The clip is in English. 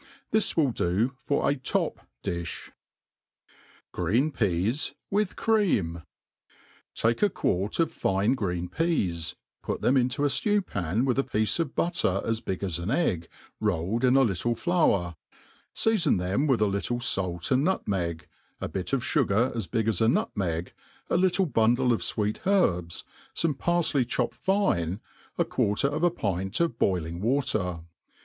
This will do for a top*di{h. Green Peas with Cream* TAKE a quart of fine green peas, put them into a ftew^ pan with a piece of butter as big as an egg, rolled in a little flour, feafon them with a little fait and nutmeg, a bit of (ugar as big as a nutmeg, a little bundle of fweet herbs, fome parfley chopped fine, a quarter of a pint of boiling water.